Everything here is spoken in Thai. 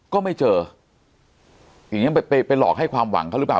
ก็ไม่เจออย่างนี้ไปไปหลอกให้ความหวังเขาหรือเปล่า